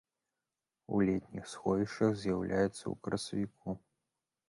У летніх сховішчах з'яўляецца ў красавіку.